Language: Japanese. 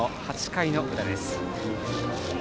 ８回の裏です。